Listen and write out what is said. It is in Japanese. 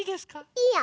いいよ！